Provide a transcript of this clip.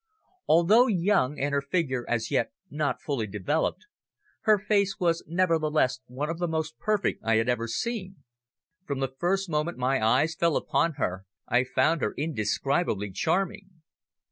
Although young, and her figure as yet not fully developed, her face was nevertheless one of the most perfect I had ever seen. From the first moment my eyes fell upon her, I found her indescribably charming.